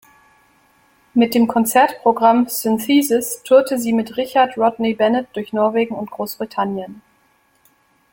Mit dem Konzertprogramm "Synthesis" tourte sie mit Richard Rodney Bennet durch Norwegen und Großbritannien.